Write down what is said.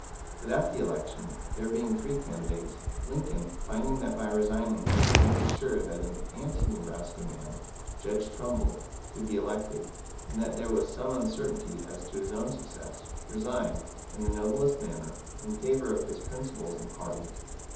But at the election there being three candidates Lincoln, finding that by resigning he could make it sure that an anti Nebraska man (Judge Trumbull) could be elected, and that there was some uncertainty as to his own success, resigned, in the noblest manner, in favour of his principles and party.